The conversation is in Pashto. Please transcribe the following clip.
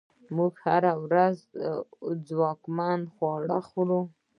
موږ هره ورځ ځواکمن خواړه خورو.